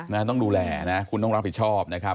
ต้องดูแลนะคุณต้องรับผิดชอบนะครับ